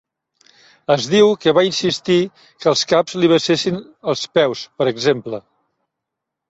Es diu que va insistir que els caps li besessin els peus, per exemple.